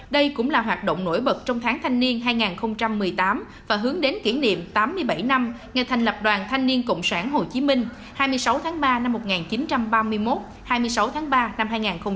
đây cũng là hoạt động nổi bật trong tháng thanh niên hai nghìn một mươi tám và hướng đến kỷ niệm tám mươi bảy năm ngày thành lập đoàn thanh niên cộng sản hồ chí minh hai mươi sáu tháng ba năm một nghìn chín trăm ba mươi một hai mươi sáu tháng ba năm hai nghìn một mươi chín